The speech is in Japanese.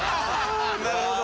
なるほど。